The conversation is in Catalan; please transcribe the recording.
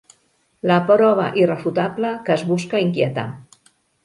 La prova irrefutable que es busca inquietar.